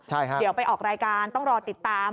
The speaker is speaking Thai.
เดี๋ยวไปออกรายการต้องรอติดตาม